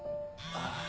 あ